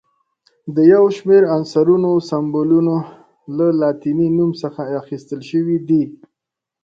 د یو شمېر عنصرونو سمبولونه له لاتیني نوم څخه اخیستل شوي دي.